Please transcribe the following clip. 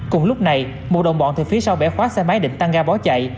cùng lúc này một đồng bọn từ phía sau bẻ khoát xe máy định tăng ga bó chạy